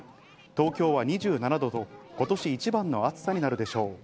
東京は２７度と今年一番の暑さになるでしょう。